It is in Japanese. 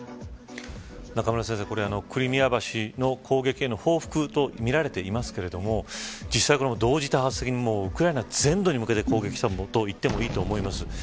中村先生、これクリミア橋の攻撃への報復とみられていますけれども実際、同時多発的にウクライナ全土に向けて攻撃したといってもいいと思います。